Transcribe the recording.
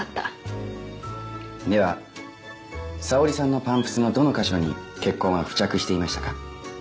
では沙織さんのパンプスのどの箇所に血痕は付着していましたか？